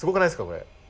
これ。